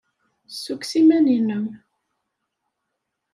Ssukkes iman-nnem.